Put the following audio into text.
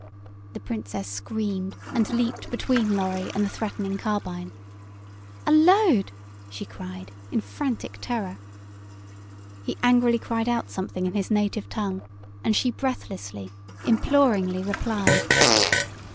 The Princess screamed and leaped between Lorry and the threatening carbine. "Allode!" she cried, in frantic terror. He angrily cried out something in his native tongue and she breathlessly, imploringly replied.